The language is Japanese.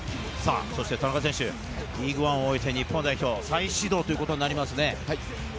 田中選手、リーグワンを終えて日本代表、再始動ということになりますね。